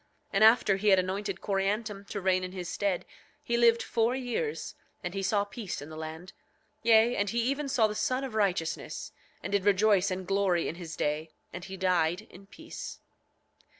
9:22 And after he had anointed Coriantum to reign in his stead he lived four years, and he saw peace in the land; yea, and he even saw the Son of Righteousness, and did rejoice and glory in his day; and he died in peace.